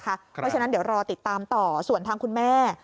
เพราะฉะนั้นเดี๋ยวรอติดตามต่อส่วนทางคุณแม่